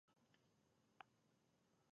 سیاسي سرکښان د پاچا خپل غلیمان حسابېدل.